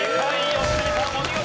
良純さんお見事。